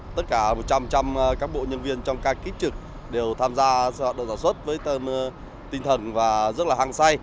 tất cả một trăm linh các bộ nhân viên trong các ký trực đều tham gia sản xuất với tâm tinh thần và rất là hăng say